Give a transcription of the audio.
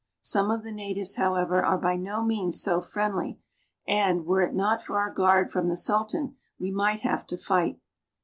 Some of the natives, however, are by no means so friendly, and, were it not for our guard from the Sultan, we might have to fight.